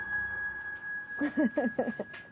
フフフフ。